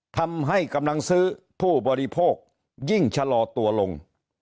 ทำให้กำลังซื้อผู้บริโภคยิ่งชะลอตัวลง